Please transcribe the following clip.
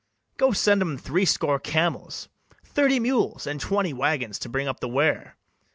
Go send 'em threescore camels, thirty mules, And twenty waggons, to bring up the ware.